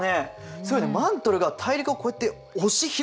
すごいねマントルが大陸をこうやって押し広げてるね。